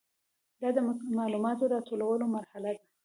دا د معلوماتو د راټولولو مرحله ده.